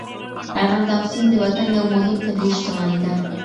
ارغنداب سیند د وطن یو مهم طبیعي شتمني ده.